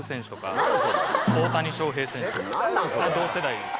同世代です。